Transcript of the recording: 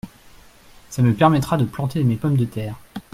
Ca me permettra de planter mes pommes de terre !